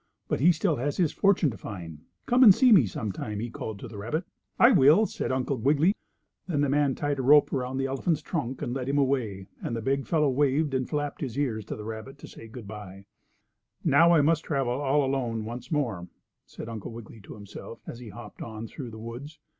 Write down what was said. But he still has his fortune to find. Come and see me some time," he called to the rabbit. "I will," said Uncle Wiggily. Then the man tied a rope around the elephant's trunk and led him away, and the big fellow waved and flapped his ears at the rabbit to say good by. "Now I must travel all alone once more," said Uncle Wiggily to himself, as he hopped on through the woods.